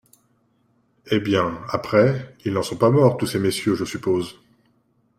Eh ! bien, après, ils n’en sont pas morts, tous ces messieurs, je suppose !